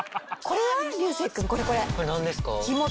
これ何ですか？